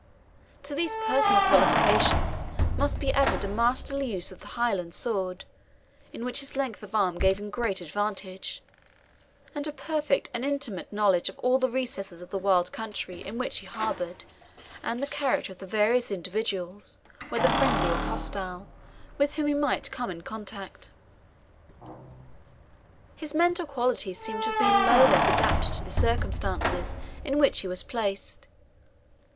To these personal qualifications must be added a masterly use of the Highland sword, in which his length of arm gave him great advantage and a perfect and intimate knowledge of all the recesses of the wild country in which he harboured, and the character of the various individuals, whether friendly or hostile, with whom he might come in contact. His mental qualities seem to have been no less adapted to the circumstances in which he was placed.